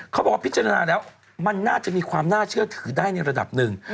เขาบอกว่าพิจารณาแล้วมันน่าจะมีความน่าเชื่อถือได้ในระดับหนึ่ง